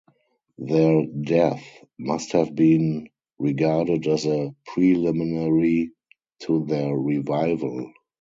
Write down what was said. Their death must have been regarded as a preliminary to their revival.